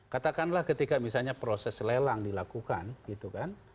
katakanlah ketika misalnya proses lelang dilakukan gitu kan